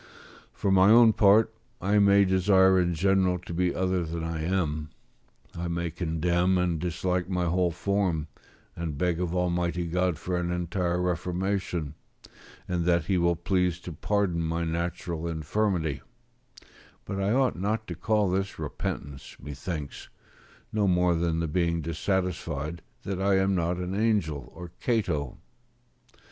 For my own part, I may desire in general to be other than I am; I may condemn and dislike my whole form, and beg of Almighty God for an entire reformation, and that He will please to pardon my natural infirmity: but I ought not to call this repentance, methinks, no more than the being dissatisfied that I am not an angel or Cato.